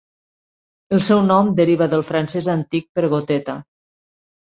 El seu nom deriva del francès antic per "goteta".